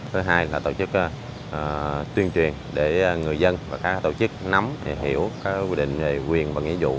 thứ hai là tổ chức tuyên truyền để người dân và các tổ chức nắm hiểu các quy định về quyền và nghĩa dụ